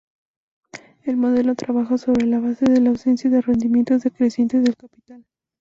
El modelo trabaja sobre la base de la ausencia de rendimientos decrecientes del capital.